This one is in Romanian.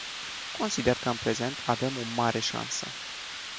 Consider că în prezent avem o mare șansă.